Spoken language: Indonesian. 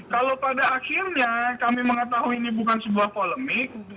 kalau pada akhirnya kami mengetahui ini bukan sebuah polemik